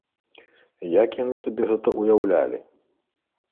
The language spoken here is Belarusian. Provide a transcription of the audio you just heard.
Як яны сабе гэта ўяўлялі?